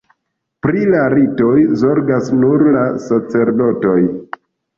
Pri la ritoj zorgas nur la sacerdotoj.